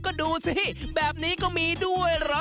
ก็ดูสิแบบนี้ก็มีด้วยเหรอ